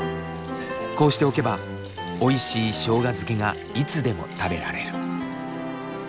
こうしておけばおいしいしょうが漬けがいつでも食べられる。